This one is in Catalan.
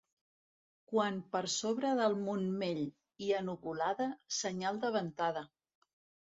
Quan per sobre del Montmell hi ha nuvolada, senyal de ventada.